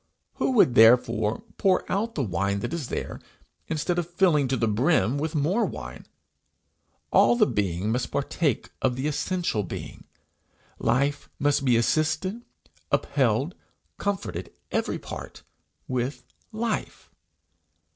Who would therefore pour out the wine that is there, instead of filling to the brim with more wine! All the being must partake of essential being; life must be assisted, upheld, comforted, every part, with life.